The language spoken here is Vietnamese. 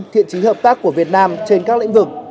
thiện trí hợp tác của việt nam trên các lĩnh vực